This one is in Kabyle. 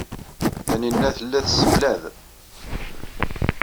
Taninna tella tesseflad.